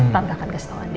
tante akan kasih tau andin